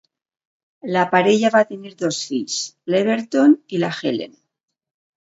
La parella va tenir dos fills, l'Everton i la Helen.